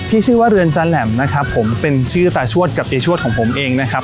ชื่อว่าเรือนจาแหลมนะครับผมเป็นชื่อตาชวดกับเตาชวดของผมเองนะครับ